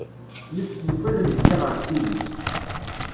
Yusef yufa lemzeyya ɣer Ssid-is.